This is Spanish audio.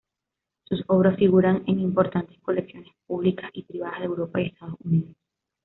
Sus obras figuran en importantes colecciones públicas y privadas de Europa y Estados Unidos.